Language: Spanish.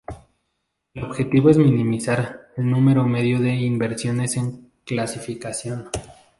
El objetivo es minimizar el número medio de inversiones en clasificación.